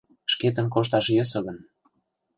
Шкетын кошташ йӧсӧ гын